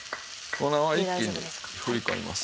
粉は一気に振り込みます。